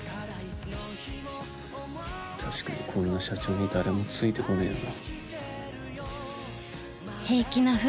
確かにこんな社長に誰もついてこねえよな